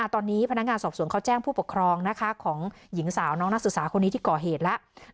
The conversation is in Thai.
ตอนนี้พนักงานสอบสวนเขาแจ้งผู้ปกครองของหญิงสาวน้องนักศึกษาคนนี้ที่ก่อเหตุแล้ว